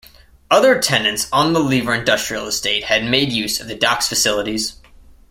Other tenants on the Lever industrial estate also made use of the dock's facilities.